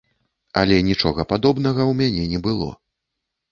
Але нічога падобнага ў мяне не было.